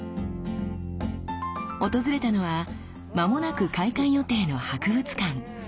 訪れたのは間もなく開館予定の博物館。